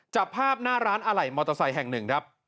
จับภาพหน้าร้านอะไหล่มอเตอร์ไซค์แห่งหนึ่งครับ